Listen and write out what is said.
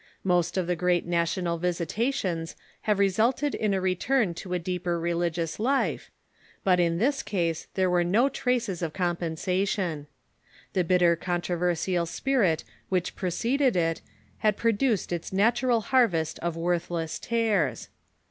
Most of the great national visitations have resulted ODDort'uni'tv ^^^ return to a deeper religious life, but in this case there were no traces of compensation. The bitter controversial spirit which preceded it had produced its nat ural harvest of worthless tares.